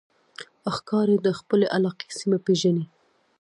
ښکاري د خپلې علاقې سیمه پېژني.